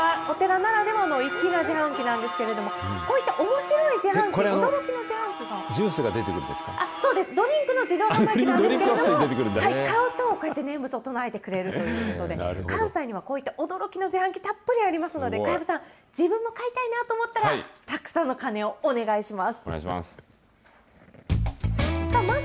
念仏を唱えるという、このお寺ならではの粋な自販機なんですけれども、こういったおもジュースが出てくるんですかドリンクの自販機なんですけれども、買うと、こうやって念仏を唱えてくれるということで、関西にはこういった驚きの自販機、たくさんありますので、小籔さん、自分も買いたいなと思ったら、たくさんの鐘をお願いします。